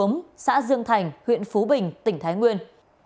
ở xã dương thành huyện phú bình tỉnh thái nguyên